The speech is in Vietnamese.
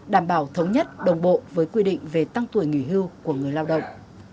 đảm bảo thống nhất đồng bộ với quy định về tăng tuổi nghỉ hưu của người lao động